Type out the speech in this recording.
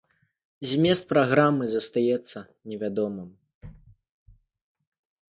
Змест праграмы застаецца невядомым.